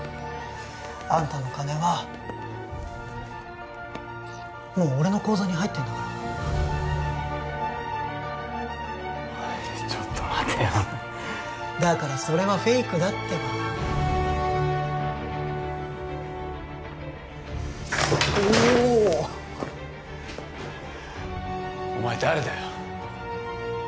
あんたの金はもう俺の口座に入ってんだからおいっちょっと待てよだからそれはフェイクだってばおっお前誰だよ？